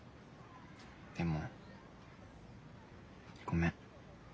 でもごめん。